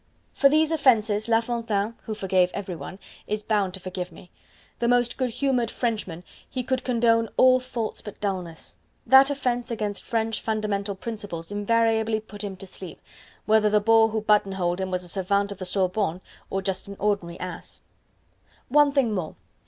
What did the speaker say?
For these offenses, La Fontaine who forgave everyone is bound to forgive me. The most good humored Frenchmen, he could condone all faults but dullness. That offense against French fundamental principles invariably put him to sleep whether the bore who button holed him was a savant of the Sorbonne or just an ordinary ass. One thing more.